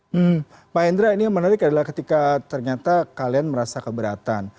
hmm pak hendra ini yang menarik adalah ketika ternyata kalian merasa keberatan